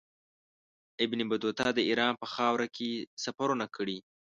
ابن بطوطه د ایران په خاوره کې سفرونه کړي.